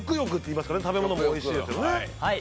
食べ物もおいしいですよね。